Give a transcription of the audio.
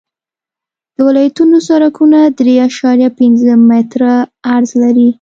د ولایتونو سرکونه درې اعشاریه پنځه متره عرض لري